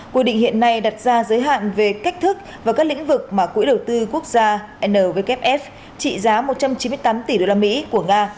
quy định hiện nay đặt ra giới hạn về cách thức và các lĩnh vực mà quỹ đầu tư quốc gia nwf trị giá một trăm chín mươi tám tỷ usd của nga